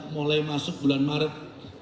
mulai masuk bulan maret